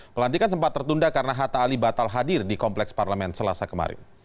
pelantikan sempat tertunda karena hatta ali batal hadir di kompleks parlemen selasa kemarin